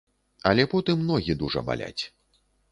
Але потым ногі дужа баляць.